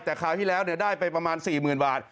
แต่คราวที่แล้วได้ไปประมาณ๔๐๐๐บาท